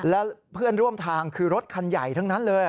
และเพื่อนร่วมทางคือรถคันใหญ่ทั้งนั้นเลย